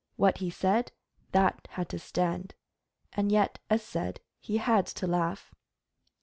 What he said, that had to stand; and yet, as said, he had to laugh.